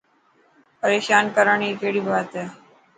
پريشان ڪرڻ ري ڪهڙي بات هي.